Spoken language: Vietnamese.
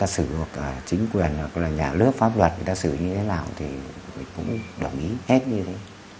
sử hoặc chính quyền hoặc là nhà nước pháp luật người ta xử như thế nào thì mình cũng đồng ý hết như thế